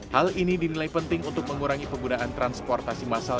hal ini dinilai penting untuk mengurangi penggunaan transportasi masal